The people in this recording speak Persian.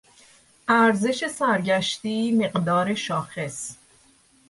ارزش سرگشتی، مقدار شاخص